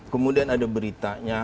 kemudian ada beritanya